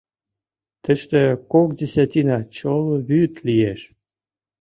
Тыште кок десятина чоло вӱд лиеш».